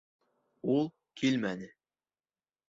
Ул килмәне.